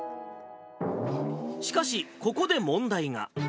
しかし、ここで問題が。